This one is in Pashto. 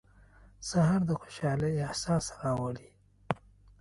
سهار د خوشحالۍ احساس راولي.